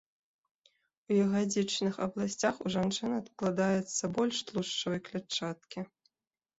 У ягадзічных абласцях ў жанчын адкладаецца больш тлушчавай клятчаткі.